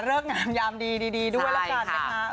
เลือกงามดีด้วยละกันนะคะ